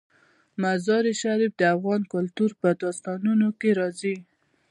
مزارشریف د افغان کلتور په داستانونو کې راځي.